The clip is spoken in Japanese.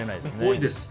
多いです。